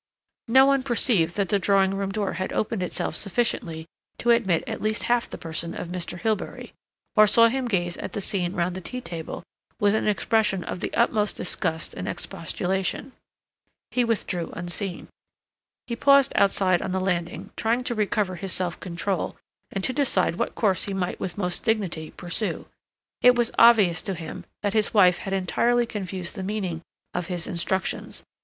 No one perceived that the drawing room door had opened itself sufficiently to admit at least half the person of Mr. Hilbery, or saw him gaze at the scene round the tea table with an expression of the utmost disgust and expostulation. He withdrew unseen. He paused outside on the landing trying to recover his self control and to decide what course he might with most dignity pursue. It was obvious to him that his wife had entirely confused the meaning of his instructions.